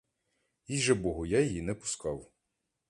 Їй же богу, я її не пускав!